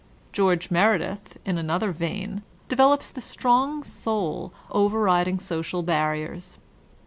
George Meredith, in another vein, develops the strong soul over riding social barriers.